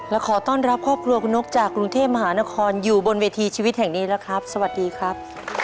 และขอต้อนรับครอบครัวคุณนกจากกรุงเทพมหานครอยู่บนเวทีชีวิตแห่งนี้แล้วครับสวัสดีครับ